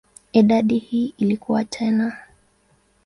Idadi hii ilikua tena.